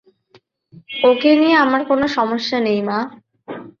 ওকে নিয়ে আমার কোনো সমস্যা নেই মা।